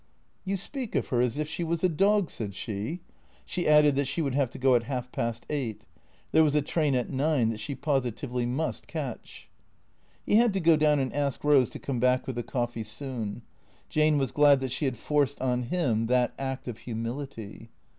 " You speak of her as if she was a dog," said she. She added that she would have to go at half past eight. There was a train at nine that she positively must catch. He had to go down and ask Eose to come back with the coffee soon. Jane was glad that she had forced on him that act of humility.